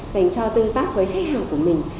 dành cho tương tác với khách hàng của mình